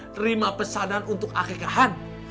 terima pesanan untuk akikahan